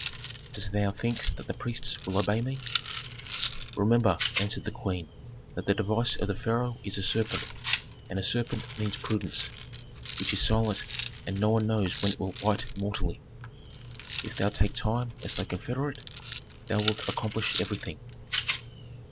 '" "Dost thou think that the priests will obey me?" "Remember," answered the queen, "that the device of the pharaoh is a serpent, and a serpent means prudence, which is silent, and no one knows when it will bite mortally. If thou take time as thy confederate, thou wilt accomplish everything."